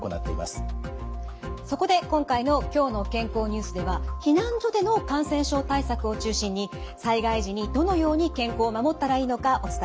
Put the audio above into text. そこで今回の「きょうの健康ニュース」では避難所での感染症対策を中心に災害時にどのように健康を守ったらいいのかお伝えしていきます。